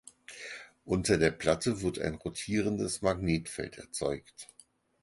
Unter der Platte wird ein rotierendes Magnetfeld erzeugt.